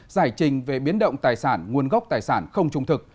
giải trình về biến động tài sản nguồn gốc tài sản không trung thực